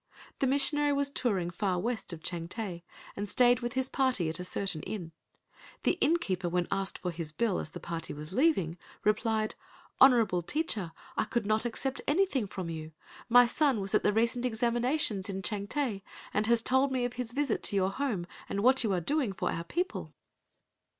The missionary was touring far west of Changte and stayed with his party at a certain inn. The inn keeper when asked for his bill as the party was leaving replied—"Honorable teacher, I could not accept anything from you. My son was at the recent examinations at Changte and has told me of his visit to your home and what you are doing for our people!"